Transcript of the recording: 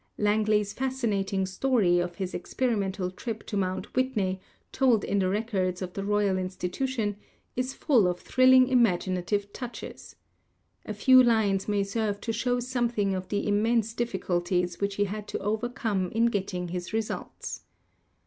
Langley's fascinating story of his experimental trip to Mount Whitney, told in the records of the Royal Institu tion, is full of thrilling imaginative touches. A few lines may serve to show something of the immense difficulties which he had to overcome in getting his results.